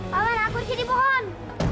paman aku di sini pohon